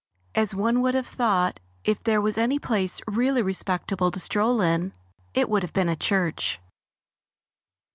As one would have thought if there was any place really respectable to stroll in, it would have been a church.